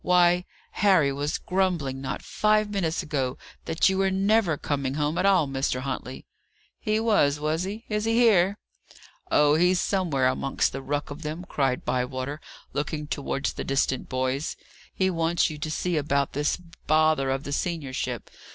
"Why, Harry was grumbling, not five minutes ago, that you were never coming home at all, Mr. Huntley." "He was, was he? Is he here?" "Oh, he's somewhere amongst the ruck of them," cried Bywater, looking towards the distant boys. "He wants you to see about this bother of the seniorship.